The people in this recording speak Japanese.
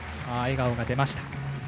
笑顔が出ました。